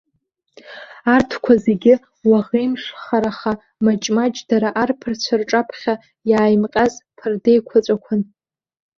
Арҭқәа зегьы уаӷеимшхараха маҷмаҷ дара арԥарцәа рҿаԥхьа иааимҟьаз ԥардеиқәаҵәақәан.